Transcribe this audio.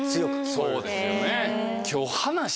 そうですよね。